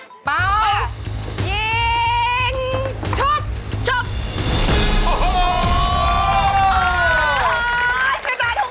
ชุบจุบ